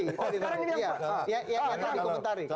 sekarang ini yang apa